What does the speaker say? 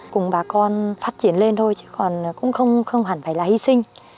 cùng bà con phát triển lên thôi chứ còn cũng không hẳn phải là hy sinh